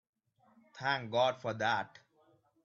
Thank God for that!